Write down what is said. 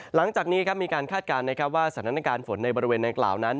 หลังจากนี้ครับมีการคาดการณ์นะครับว่าสถานการณ์ฝนในบริเวณดังกล่าวนั้น